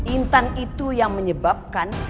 intan itu yang menyebabkan